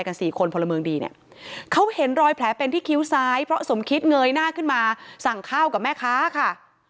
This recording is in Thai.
สี่คนพลเมืองดีเนี่ยเขาเห็นรอยแผลเป็นที่คิ้วซ้ายเพราะสมคิดเงยหน้าขึ้นมาสั่งข้าวกับแม่ค้าค่ะ